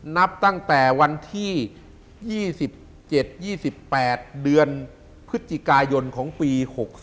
นับตั้งแต่วันที่๒๗๒๘เดือนพฤศจิกายนของปี๖๓